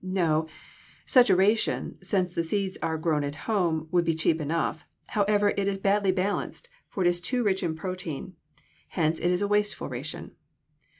No. Such a ration, since the seeds are grown at home, would be cheap enough. However, it is badly balanced, for it is too rich in protein; hence it is a wasteful ration.